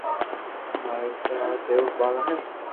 مارو ٿو مون ڪيوہ ڪوم